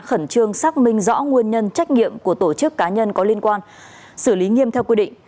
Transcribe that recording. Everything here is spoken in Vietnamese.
khẩn trương xác minh rõ nguyên nhân trách nhiệm của tổ chức cá nhân có liên quan xử lý nghiêm theo quy định